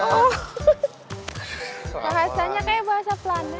bahasanya kayak bahasa pelanet